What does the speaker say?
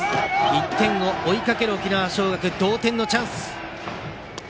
１点を追いかける沖縄尚学同点のチャンス。